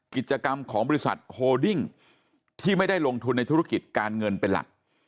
กิจกรรมของบริษัทโฮดิ้งที่ไม่ได้ลงทุนในธุรกิจการเงินเป็นหลัก